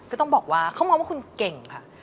ก็ต้องบอกว่าเขามองว่าคุณเก่งค่ะ